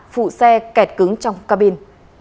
phụ xe kẹt cứng trong cabin